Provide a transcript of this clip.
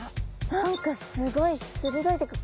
何かすごい鋭いっていうか。